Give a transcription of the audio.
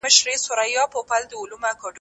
که روغتیا وي نو ناروغي نه وي.